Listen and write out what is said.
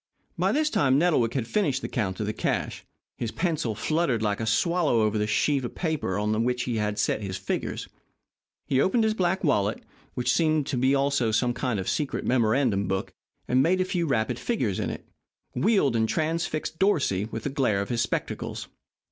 By this time Nettlewick had finished his count of the cash. His pencil fluttered like a swallow over the sheet of paper on which he had set his figures. He opened his black wallet, which seemed to be also a kind of secret memorandum book, made a few rapid figures in it, wheeled and transfixed Dorsey with the glare of his spectacles.